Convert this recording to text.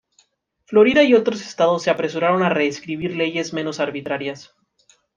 Florida y otros estados se apresuraron a reescribir leyes menos arbitrarias.